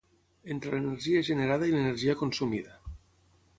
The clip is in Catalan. entre l'energia generada i l'energia consumida